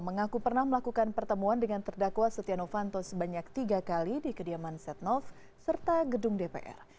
mengaku pernah melakukan pertemuan dengan terdakwa setia novanto sebanyak tiga kali di kediaman setnov serta gedung dpr